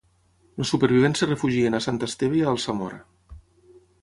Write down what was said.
Els supervivents es refugien a Sant Esteve i a Alsamora.